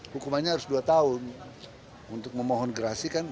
hukumannya harus dua tahun untuk memohon gerasi kan